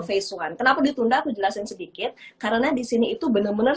faceone kenapa ditunda tuh jelaskan sedikit karena disini itu bener bener